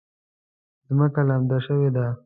ځمکه لمده شوې ده